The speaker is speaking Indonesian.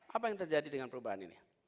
apa yang terjadi dengan perubahan ini